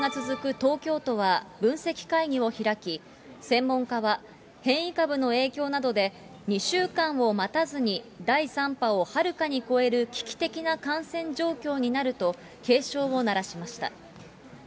東京都は分析会議を開き、専門家は、変異株の影響などで、２週間を待たずに第３波をはるかに超える危機的な感染状況になると、警鐘を鳴らしました。